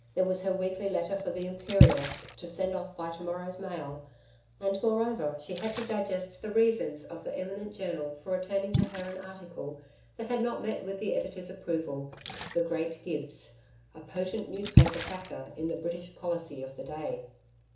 There was her weekly letter for THE IMPERIALIST to send off by to morrow's mail, and, moreover, she had to digest the reasons of the eminent journal for returning to her an article that had not met with the editor's approval the great Gibbs: a potent newspaper factor in the British policy of the day.